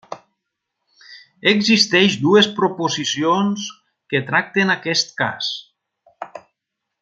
Existeix dues proposicions que tracten aquest cas.